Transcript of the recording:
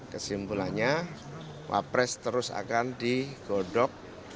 kesimpulannya wapres terus akan digodok